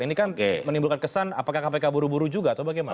ini kan menimbulkan kesan apakah kpk buru buru juga atau bagaimana